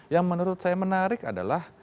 yang menurut saya menarik adalah